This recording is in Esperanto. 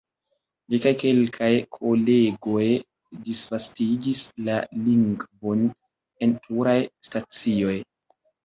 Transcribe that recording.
Li kaj kelkaj kolegoj disvastigis la lingvon en pluraj stacioj.